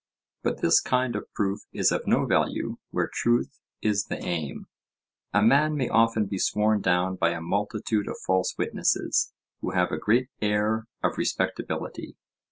But this kind of proof is of no value where truth is the aim; a man may often be sworn down by a multitude of false witnesses who have a great air of respectability.